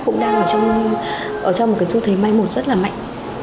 cũng đang ở trong một cái xu thế may một rất là mạnh